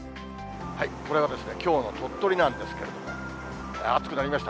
これがきょうの鳥取なんですけれども、暑くなりました。